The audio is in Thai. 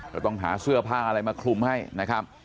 ก็ต้องหาเสื้อผ้าอะไรมาคลุมให้นะครับ